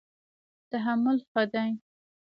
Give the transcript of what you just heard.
تحمل ښه دی.